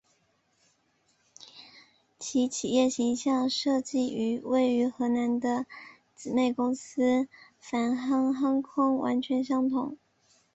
其企业形象设计与位于荷兰的姊妹公司泛航航空完全相同。